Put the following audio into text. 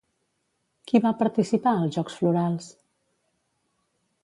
Qui va participar als Jocs Florals?